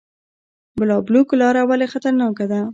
بالابلوک لاره ولې خطرناکه ده؟